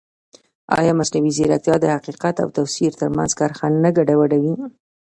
ایا مصنوعي ځیرکتیا د حقیقت او تفسیر ترمنځ کرښه نه ګډوډوي؟